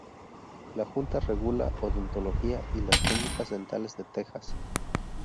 La junta regula odontología y las clínicas dentales de Texas.